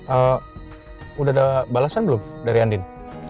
eh udah ada balasan belom dari andin